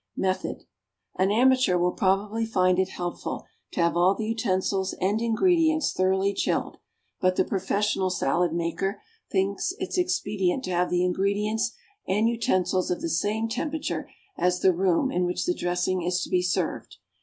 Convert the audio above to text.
Method. An amateur will probably find it helpful to have all the utensils and ingredients thoroughly chilled, but the professional salad maker thinks it expedient to have the ingredients and utensils of the same temperature as the room in which the dressing is to be served.